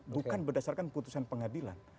bukan berdasarkan keputusan pengadilan